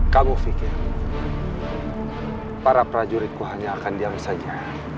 kamu pikir para prajuritku hanya akan diam saja